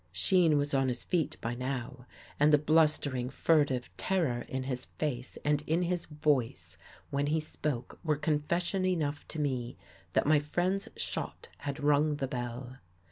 Shean was on his feet by now and the blustering, furtive terror in his face and in his voice when he spoke, were confession enough to me that my friend's shot had rung the bell.